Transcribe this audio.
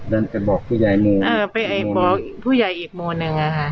นั่นจะบอกผู้ใหญ่หมู่อ่าไปบอกผู้ใหญ่อีกหมู่หนึ่งอ่ะค่ะ